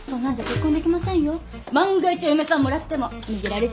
万が一お嫁さんもらっても逃げられちゃいますよ。